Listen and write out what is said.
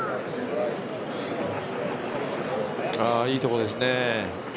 いいところですね。